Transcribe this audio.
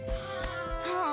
ああ。